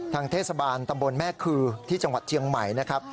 เทศบาลตำบลแม่คือที่จังหวัดเชียงใหม่นะครับ